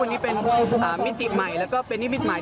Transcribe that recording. โจมตีรัฐบาล